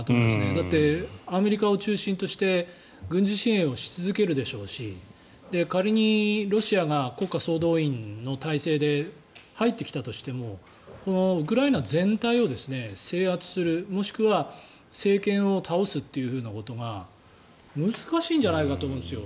だってアメリカを中心として軍事支援をし続けるでしょうし仮にロシアが国家総動員の体制で入ってきたとしてもウクライナ全体を制圧するもしくは政権を倒すということが難しいんじゃないかと思うんですよ。